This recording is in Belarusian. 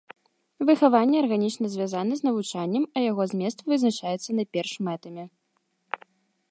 Выхаванне арганічна звязана з навучаннем, а яго змест вызначаецца найперш мэтамі.